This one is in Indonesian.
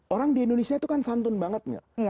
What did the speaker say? orang di indonesia itu kan santun banget